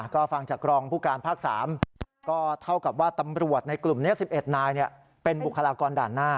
ก็ฟังจากรองผู้การภาค๓ก็เท่ากับว่าตำรวจในกลุ่มนี้๑๑นายเป็นบุคลากรด่านหน้า